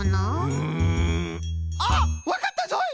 うんあっわかったぞい！